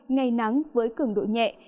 ngày nắng với cường độ nhẹ